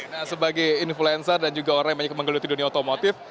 nah sebagai influencer dan juga orang yang banyak menggeluti dunia otomotif